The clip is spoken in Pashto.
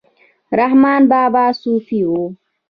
رحمان بابا صوفي و